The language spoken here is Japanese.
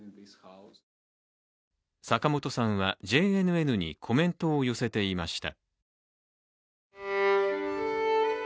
坂本さんはＪＮＮにコメントを寄せていました。